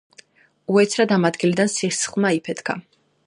უეცრად ამ ადგილიდან სისხლმა იფეთქა.